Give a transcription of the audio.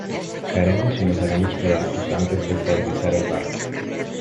caeremos y nos haremos pedazos antes de estabilizar el barco.